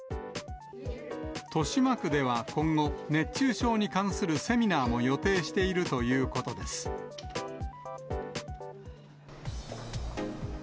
豊島区では今後、熱中症に関するセミナーも予定しているということです。